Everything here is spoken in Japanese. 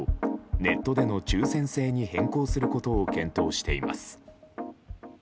ネットでの抽選制に変更することを検討しています。